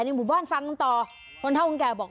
หมู่บ้านฟังต่อคนเท่าคนแก่บอก